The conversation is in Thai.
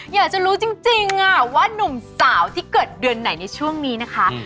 อยากจะรู้จริงว่านุ่มสาวที่เกิดเดือนไหนในช่วงนี้นะคะ